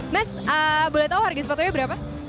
mas boleh tahu harga sepatunya berapa